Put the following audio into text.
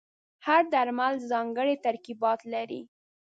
هر درمل ځانګړي ترکیبات لري.